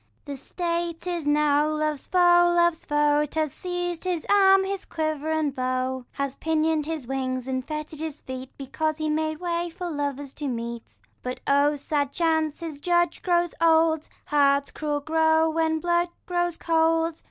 2. The State is now love's foe, love's foe ; 'T has seiz'd on his arms, his quiver and bow ; Has pinion'd his wings, and fetter'd his feet, Because he made way for lovers to meet. But 0 sad chance, his judge was old ; Hearts cruel grow, when blood grows cold.